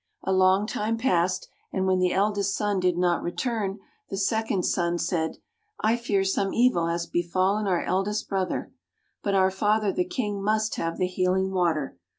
A long time passed, and when the eldest son did not return, the second son said, " I fear some evil has befallen our eldest brother. But our father, the King, must have the healing water.